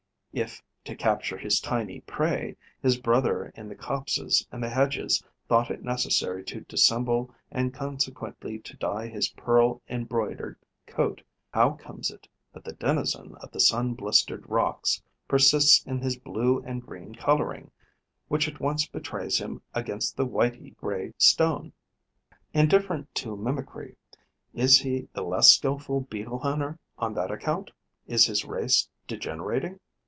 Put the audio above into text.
If, to capture his tiny prey, his brother in the copses and the hedges thought it necessary to dissemble and consequently to dye his pearl embroidered coat, how comes it that the denizen of the sun blistered rocks persists in his blue and green colouring, which at once betrays him against the whity grey stone? Indifferent to mimicry, is he the less skilful Beetle hunter on that account, is his race degenerating?